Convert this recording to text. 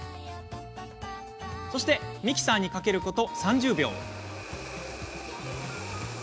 そして、ミキサーにかけること３０秒。